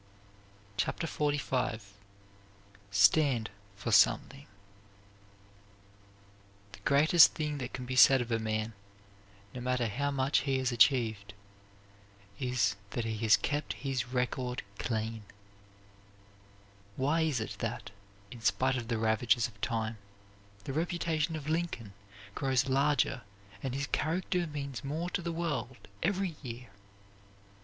CHAPTER XLV STAND FOR SOMETHING The greatest thing that can be said of a man, no matter how much he has achieved, is that he has kept his record clean. Why is it that, in spite of the ravages of time, the reputation of Lincoln grows larger and his character means more to the world every year?